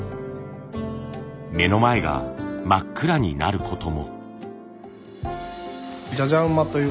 目の前が真っ暗になることも。